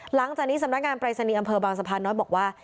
หลังจากนี้สำนักงานปรายศนีย์อำเภอบางสะพานน้อยบอกว่า